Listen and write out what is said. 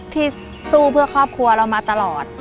ที่สู้เพื่อครอบครัวเรามาตลอด